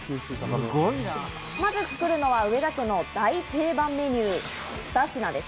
まず作るのは上田家の大定番メニュー、２品です。